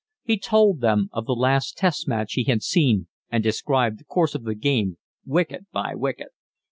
He told them of the last test match he had seen and described the course of the game wicket by wicket.